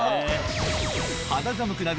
肌寒くなる